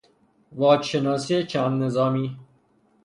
واجشناسی چند نظامی